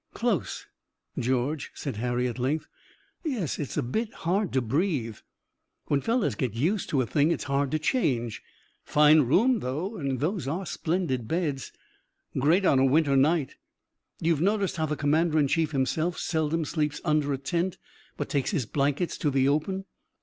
"Close, George," said Harry at length. "Yes, a bit hard to breathe." "When fellows get used to a thing it's hard to change." "Fine room, though, and those are splendid beds." "Great on a winter night." "You've noticed how the commander in chief himself seldom sleeps under a tent, but takes his blankets to the open?"